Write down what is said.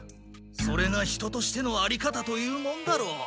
それが人としてのあり方というもんだろう。